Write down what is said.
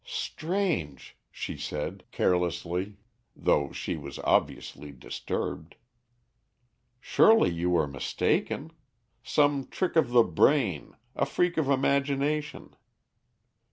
"Strange," she said, carelessly, though she was obviously disturbed. "Surely you were mistaken. Some trick of the brain, a freak of imagination."